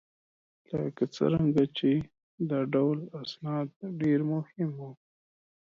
لکه څرنګه چې دا ډول اسناد ډېر مهم وه